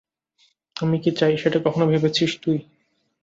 আমি কী চাই, সেটা কখনো ভেবেছিস তুই?